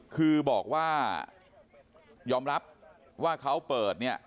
คือบอกว่ายอมรับว่าเขาเปิดเนี่ย